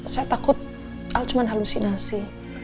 saya takut kalau cuma halusinasi